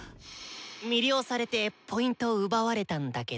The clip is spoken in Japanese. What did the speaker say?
魅了されてＰ奪われたんだけど。